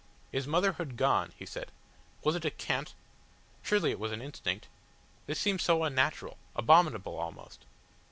"Is motherhood gone?" he said. "Was it a cant? Surely it was an instinct. This seems so unnatural abominable almost."